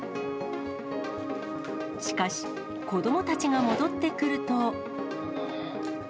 しかし、子どもたちが戻ってくると。